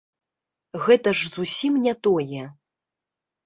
Гэта ж зусім не тое.